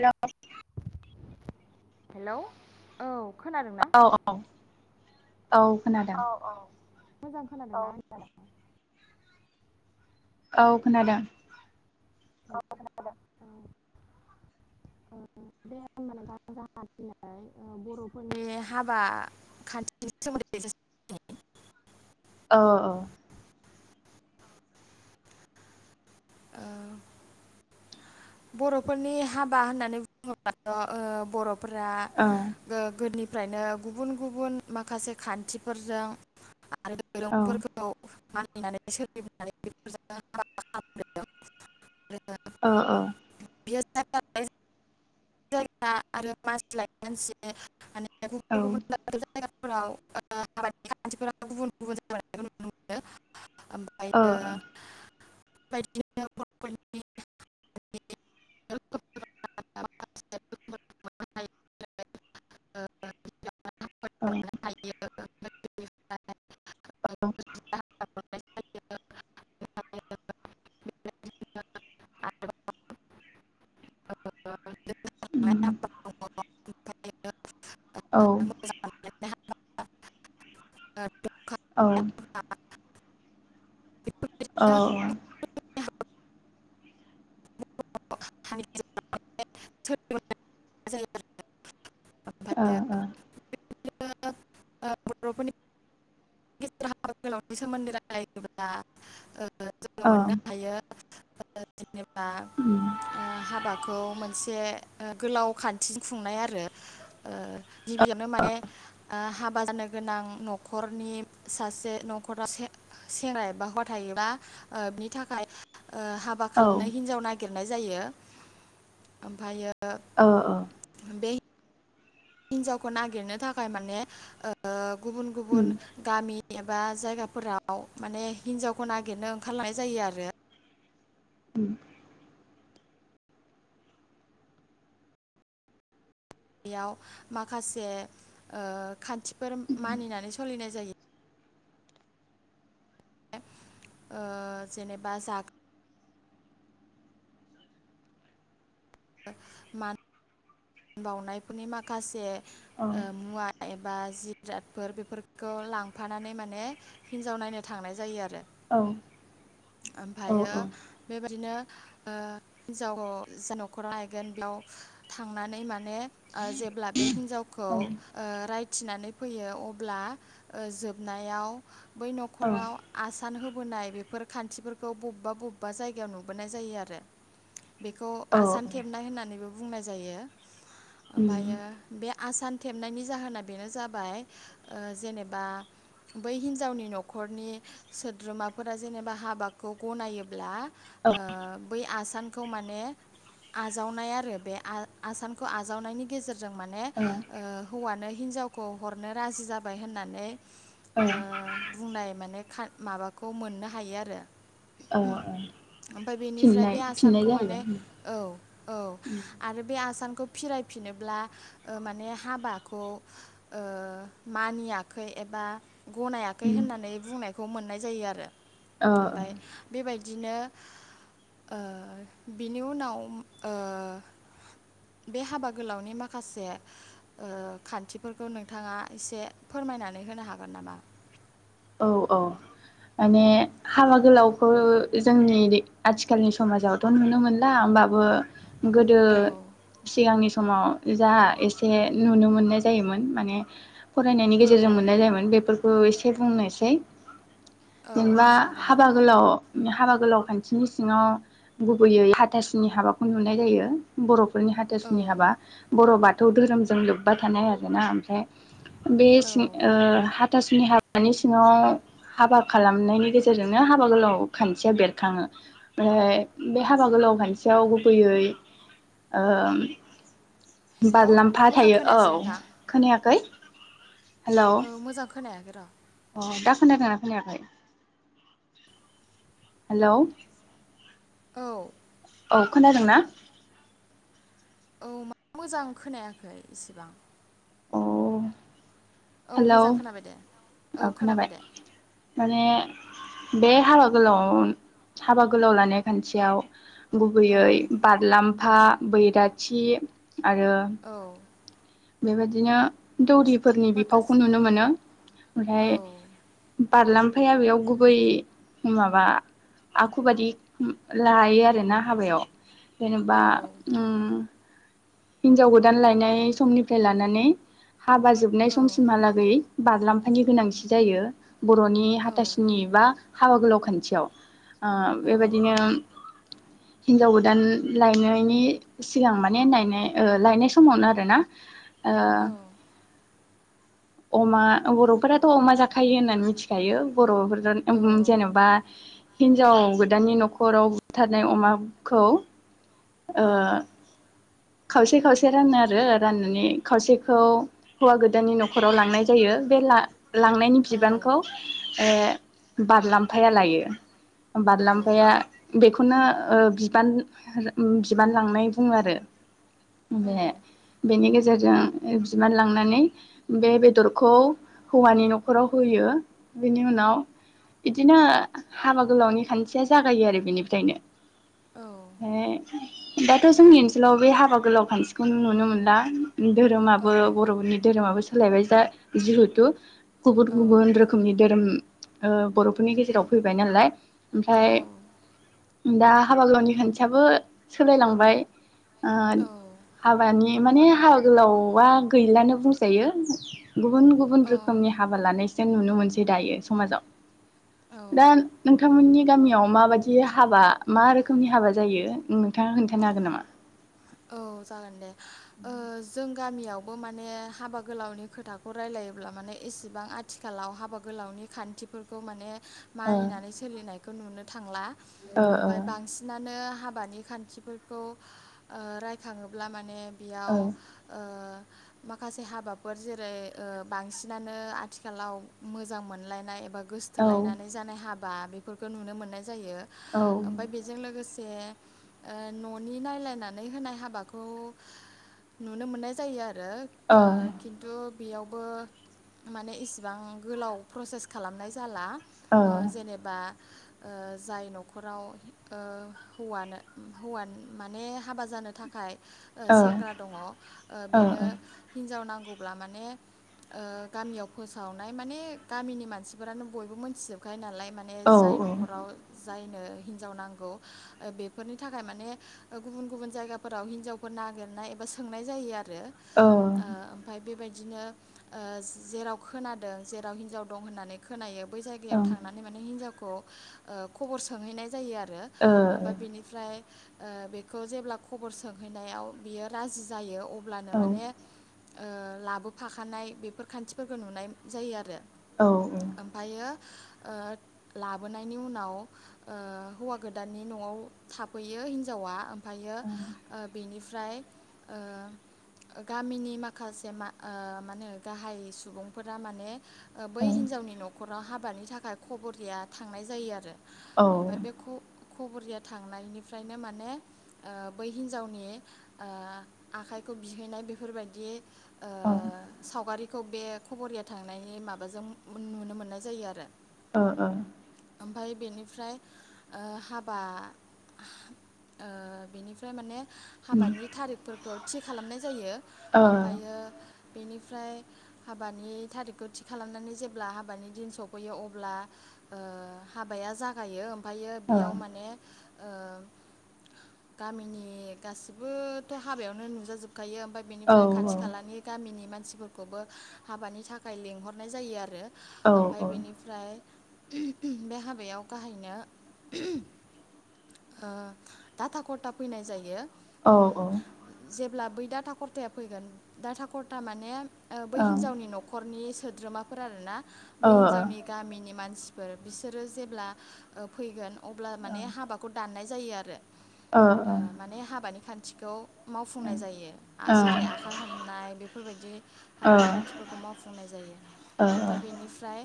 हेल' hello औ खोनादोंना? औ औ खोनादों। मोजां खोनादों ना? औ खोनादों। [unintelligible] बर'फोरनि हाबा खाथिनि सोमोन्दै [inaudible] अ औ ओ बर'फोरनि हाबा होननानै बुङोबथ' ओ बर' फ्रा औ ओ गोनि फ्रायनो गुबुन गुबुन माखासे खान्थिफोरजों आरो औ ओ दैरुंफोरखौ मानिनानै सोलिबोनानै [inaudible] अ अ बियो जायगा लायै जायगा आरो मानसि लायै मानसि माने [inaudible] फोराव ओ हाबानि खान्थिफोरा गुबुन गुबुन जानायखौ नुनो मोनो। ओमफ्रायो ओ बे बायदिनो [unintelligible] [inaudible] [inaudible] औ मोननो [inaudible] [inaudible] [inaudible] आरोबाव [inaudible] उम [inaudible] [inaudible] औ मोजां मोनलायनाय हाबा दंखा औ हाबा [inaudible] औ [inaudible] [inaudible] ओ बर'फोरनि [inaudible] गेजेर हाबा गोललवनि सोमोन्दै रायलायोब्ला ओ [unintelligible] जोङो औ मोननो हायो‌ [unintelligible] जेनेबा ओ हाबाखौ मोनसे ओ गोलाव खान्थिजों खुंनाय आरो ओ गिबियावनो माने ओ हाबा जानो गोनां न'खरनि सासे न'खराव सेंग्रा एबा हौवाथायोबा ओ बिनि थाखाय ओ हाबा खालामनो हिन्जाव नागिर नाय जायो ओमफायो ओ बे हिन्जावखौ नागिरनो थाखाय माने ओ गुबुन गुबुन उम गामि एबा जायगाफोराव माने हिन्जावखौ नागिरनो ओंखारलांनाय जायो आरो। उम्म बेयाव माखासे ओ खान्थिफोर मानिनानै सोलिनाय जायो। ओ जेनेबा जाग मा बावनायफोरनि माखासे औ ओ मुवा एबा जिरादफोर बेफोरखौ लांफानानै माने हिन्जाव नायनो थांनाय जायो आरो। औ औ ओमफायो बेबायदिनो ओ हिनजाव जा न'खराव लायगोन बियाव थां थांनानै माने ओ जेब्ला बे हिनजाव खौ उम ओ राइ थिनानै फैयो अब्ला ओ जोबनायाव बै औ न'खराव आ सान होबोनाय बेफोर खान्थिफोरखौ बबेबा बबेबा जायगायाव नुबोनाय जायो आरो। बेखौ आसान थेबनाय होननानैबो बुंनाय जायो। ओमफ्रायो बे आसान थेबनायनि जाहोना बेनो जाबाय ओ जेनेबा बै हिन्जावनि न'खरनि सोद्रोमाफोरा जेनेबा हाबाखौ गनायोब्ला ओ बै आसानखौ माने आजावनाय आरो बे आ आसानखौ आजावनायनि गेजेरज जों माने ओ हौवानो हिनजावखौ हरनो राजि जाबाय होननानै ओ बुंनाय माने खा माबाखौ मोननो हायो आरो ओ ओ ओमफ्राय बेनिफ्राय फिननाय बे फिननाय आसानखौ माने जाहैबाय औ औ उम आरो आसानखौ फिरायफिनोब्ला ओ माने हाबाखौ ओ मानियाखै एबा गनायाखै उम होननानै बुंनायखौ मोननाय जायो आरो। ओ ओमफाय बेबायदि बिदिनो ओ बिनि उनाव ओ बे हाबा गोलावनि माखासे ओ खान्थिफोरखौ नोंथाङा एसे फोरमायनानै होनो हागोन नामा? औ औ माने हाबा गोलावखौ जोंनि आथिखालनि समाजावथ नुनो मोनला होमबाबो गोदो औ सिगांनि समाव जा एसे नुनो मोननाय जायोमोन माने फरायनायनि औ गेजेरजों मोननाय जायोमोन बेफोर ओ एसे बुंनाय सै। औ जेनोबा जागोन दे हाबा गोलाव हाबा गोलाव खान थिनि सिङाव गुबैयै हाथासुनि हाबाखौ नुनाय जायो बर' फोरनि औ हाथासुनि हाबा। बर' बा थौ दोहोरोमजों लोब्बा थानाय आरोना। बे बे औ सिं ओ हाथ हाथा सुनि हाबानि सि ङाव हाबा खालामनायनि गेजेरजोंनो हाबा गोलाव खान्थिया बेरखाङो ओमफ्राय बे हाबा गोलाव खान्थियाव गुबैयै ओम हेल' बारलाम्फा मोजां थायो। औ खोनायासै खोनायाखै? हेलौ ओ मोजां खोनायाखै द्रा। अ दा खोनादोंना खोनायाखै? हेलौ। औ। औ खोनादों ना? औ मा मोजां खोनायाखै इसिबां। अ औ हेलौ मोजां खोनाबाय दे। औ खोनाबाय। माने बे हाबा गोलाव हाबा गोलाव लानाय खान्थियाव औ गुबैयै बारलाम फा, बैराथि आरो औ बेबायदिनो दौरि फोरनि बिफावखौ माखासे नुनो मोनो। ओमफ्राय औ बारलाफाया बेयाव गुबै माबा आखु बादि उम लायो आरोना हाबायाव औ जेनोबा ओम हिनजाव गोदान लायनाय समनिफ्राय लानानै हाबा जोबनाय औ समसिमहालागै बारलामफ नि गोनांथि जायो बर'नि औ हाथासिनि एबा हाबा गोलाव खान्थियाव आ औ बेबायदिनो हिनजाव गोदान लायनायनि सिगां माने नायनाय ओ लायनाय समावनो आरो ना ओ औ अमा बर'फोराथ' अमा जाखायो होननानै मिथिखायो बर'फोर नान औ उम जेन'बा हिन्जाव गोदाननि न'खराव बुथारनाय अमाखौ औ ओ खावसे खावसे रानो आरो राननानै खावसेखौ हौवा गोदाननि न' खराव लांनाय जायो बे ला लांनायनि औ बिबानखौ बारलामफाया लायो बारलामफाया बेखौनो ओ बिबान बिबान लांनाय बुङो आरो बे बेनि गेजे जेरजों बिबान लांनानै बे बेदरखौ हौवानि न'खराव होयो बेनि उनाव बिदिनो हाबा गोलावनि खान्थिया जागायो आरो बेनिफ्रायनो औ ओमफ्राय दाथ' जोंनि ओनसोलाव बे हाबा गोलाव खान्थिखौ नुनो मोनला धोरोमाबो बर'फोरनि धोरोमाबो सो सोलायबाय जा जिहेथु गुबुन गुबुन रोखोमनि धोरोम ओ बर' फोरनि गेजेराव फैबाय नालाय ओमफ्राय दा हाबा गोलावनि खान्थियाबो सोलायलांबाय ओ हाबानि माने हाबा गोलावा गैलानो बुंजायो [inaudible] गुबुन गुबुन औ रोखोमनि हाबा लानाय जों नुनो मोनसै दायो समाजाव औ दा औ नोंथां नोंथांमोननि गामियाव माबादि हाबा मा रोखोमनि हाबा जायो नोंथाङा खोन्थानो हागोन नामा? औ जागोन दे ओ जों गामियावबो माने हाबा गोलावनि खोथाखौ रायलायोब्ला माने एसेबां आथिखालाव हाबा गोलावनि खान्थिफोरखौ माने ओ मानिनानै सोलिनाय खौ नुनो थांला। ओ आमफाय बांसिनानो हाब बानि खान्थिफोरखौ ओ रायखाङोब्ला माने बेयाव ओ माखासे हाबाफोर जेरै ओ बांसिनानो आथिखालाव मोजां मोनलायनाय एबा ओ गोसथोलायनानै जानाय हाब बा बेफोरखौ नुनो मोननाय जायो ओ आमफाय बेजों लोगोसे ए ओ न'नि नायलायना नै होनाय हाबाखौ नुनो मोननाय जायो आर [unintelligible] ओ खिन्थु बेयावबो माने इसेबां गोलाव प्रसेस खालामनाय जाला। औ ओ जेनेबा ओ जाय न'खराव ओ हौवानो उम हौवानो माने हाबा जानो थाखाय ओ सेंग्रा दङ ओ बेनो हिनजाव नांगौ अब्ला माने ओ गामियाव फोसावनाय माने गामिनि मानसिफोरानो बयबो मोनथिजोबखायो नालाय माने ओ जाय न'खराव जायनो हिनजाव नांगौ ओ बेफोरनि थाखाय माने ओ गुबुन गुबुन जायगाफोराव हिनजावफोर नागिरनाय एबा सोंनाय जायो आर रो ओ आमफाय बेबायदि दिनो ओ जेराव खोनादों जेराव हिनजाव दं होननानै खोनायो बेै जायगायाव ओ थांनानै माने हिनाव खौ ओ खबर सोंहैनाय जायो आर रो ओ आमफाय बेनिफ्राय ओ बे खौ जेब्ला खबर सोंहैनायाव बियो राजि जायो अ ब्लानो औ माने ओ लाबोफाखानाय बेफोर खान्थिफोरखौ नुनाय जायो आरो। औ ओ ओं आमफायो ओ लाबोनायनि उनाव ओ हौवा गोदाननि नवाव थाफैयो हिनजावा। ओमफ्रायो ओ बेनि ओमफ्राय ओ गामिनि माखासे मा ओ माने गाहाय सुबुंफोरा माने ओ बै औ हिन्जावनि नखराव हाब हाबानि थाखाय खबरिया थांनाय जायो आरो। औ ओमफाय बेखौ खबुरिया थांनायनिफ्रायनो माने ओ बै हिन्जावनि ओ आखाइखौ बिहैनाय बेफोरबायदि ओ औ औ सावगारि खौ बे खबरिया थांनायनि माबाजों मो‌ नुनो मोननाय जायो आरो। ओ ओ। ओमफाय बेनिफ्राय हाबा ओ बेनिफ्राय माने उम हाबानि थारिकफोरखौ थि खालामनाय जायो ओ ओमफायो बेनिफ्राय हाबानि थारिकखौ थि खालामनानै जेब्ला हाबानि दिन सफैयो अब्ला ओ हाबाया जागायो फायो बेयाव माने ओ गामिनि गासिबोथ' हाबायावनो नुजाजोब खायो ओमफाय ओ बेनिफ्राय खाथि खालानि गामिनि मान सिफोरखौबो हाबानि थाखाय लिंहरनाय जायो आरो। औ ओमफाय बेनिफ्राय [unintelligible] बे हाबायाव गाहायनो ओ दाथा कटा फैनाय जायो। औ औ। दाथाकरटाया फैगोन दाथाकरटा माने ओ बै हिन्जावनि न'खरनि सो द्रोमाफोर आरो ना। बै हिनजावनि गामिनि मानसि फोर बिसोरो जेब्ला ओ फैगोन अब्ला माने हाबाखौ दाननाय जायो आरो। ओ माने हाबानि खान्थि खौ मावफुंनाय जायो जेरै आखाइ हमनाय बेफोरबायदि हाबानि खान्थिफोरखौ मावफुंनाय जायो औ ओमफाय बेनिफ्राय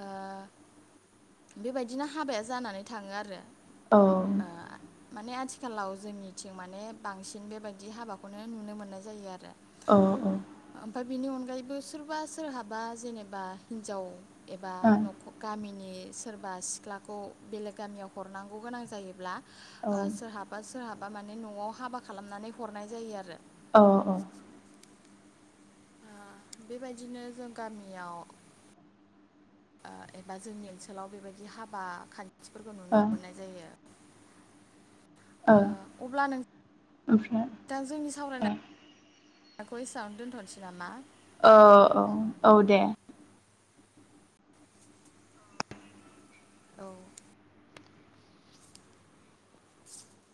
ओ बेबायदिनो हाबाया जानानै थाङो आरो औ ओ माने आथि खालाव जोंनिथिं माने बांसिन बेबायदि हाबाखौनो नुनो मोननाय जायो आरो। औ औ बिनि अनगायैबो सोरबा-सोरहाबा जेनेबा हिनजाव एबा नख गामिनि सोरबा सिख्लाखौ बेलेग गामियाव हरनांगौ गोनां जायोब्ला ओ सोरहा सोरहाबा माने नवाव हाबा खालामनानै हरनाय जायो आरो। औ औ ओ बेबायदिनो जों गामियाव ओ एबा जोंनि ओनसोलाव बेबायदि हाबा खान थिफोरखौ नुनो मोननाय जायो। ओ अब्ला नों ओमफ्राय ओ खौ एसेयावनो दोन्थनोसै नामा। ओ औ औ दे औ